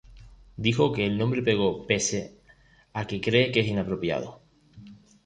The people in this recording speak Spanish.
Dijo que el nombre pegó, pese a que cree que es inapropiado.